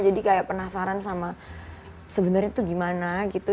jadi kayak penasaran sama sebenarnya itu gimana gitu